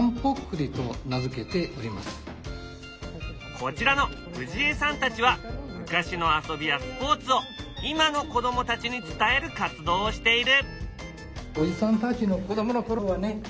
こちらの藤江さんたちは昔の遊びやスポーツを今の子供たちに伝える活動をしている。